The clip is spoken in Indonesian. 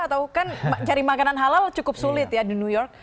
atau kan mencari makanan halal cukup sulit ya di new york